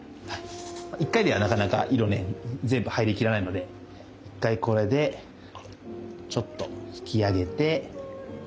一回ではなかなか色ね全部入りきらないので一回これでちょっと引き上げてじゃあ次もうちょっと。